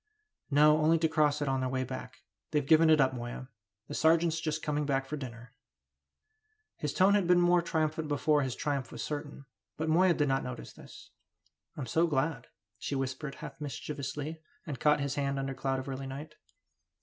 "No, only to cross it on their way back. They've given it up, Moya! The sergeant's just coming back for dinner." His tone had been more triumphant before his triumph was certain, but Moya did not notice this. "I'm so glad," she whispered, half mischievously, and caught his hand under cloud of early night.